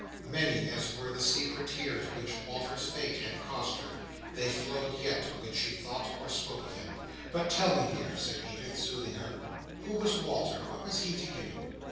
Many as were the secret tears which Walter's fate had cost her, they flowed yet, when she thought or spoke of him. "But tell me, dear," said Edith, soothing her. "Who was Walter? What was he to you?"